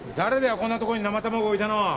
こんなとこに生卵置いたの。